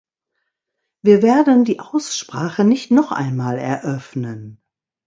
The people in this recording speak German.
Wir werden die Aussprache nicht noch einmal eröffnen.